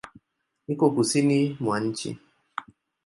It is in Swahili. Iko kusini mwa nchi.